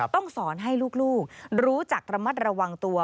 ต้องสอนให้ลูกรู้จักระมัดระวังตัว